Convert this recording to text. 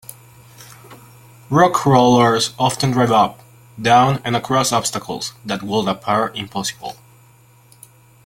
Rock crawlers often drive up, down and across obstacles that would appear impassable.